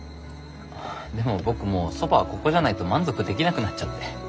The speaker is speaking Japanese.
でも僕もうそばはここじゃないと満足できなくなっちゃって。